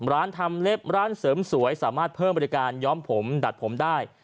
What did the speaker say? ร้านทำเล็บร้านเสริมสวยสามารถเพิ่มบริการย้อมผมดัดผมได้